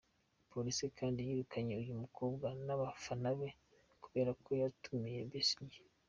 Polisi kandi yirukanye uyu mukobwa n’abafana be kubera ko yatumiye Besigye.